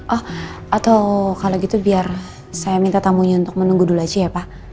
oh atau kalau gitu biar saya minta tamunya untuk menunggu dulu aja ya pak